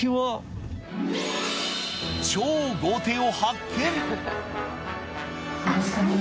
超豪邸を発見！